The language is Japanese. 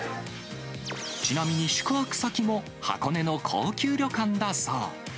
ちなみに、宿泊先も箱根の高級旅館だそう。